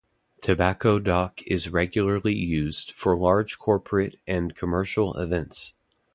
Tobacco Dock is regularly used for large corporate and commercial events.